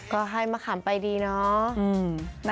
ก็ให้มะขำไปดีนะ